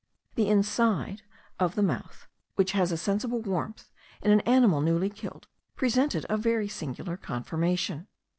The inside of the mouth, which has a sensible warmth in an animal newly killed, presented a very singular conformation.